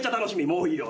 もういいよ。